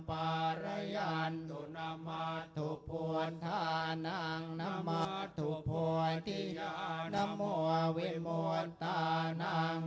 ปารยานุนัมตุพวนทานังนัมตุพวนติยานัมวิมวตานัง